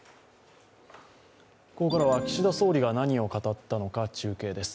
ここからは岸田総理が何を語ったのか中継です。